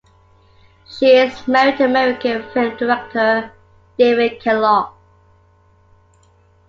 She is married to American film director David Kellogg.